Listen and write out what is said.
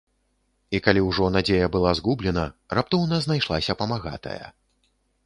І калі ўжо надзея была згублена, раптоўна знайшлася памагатая.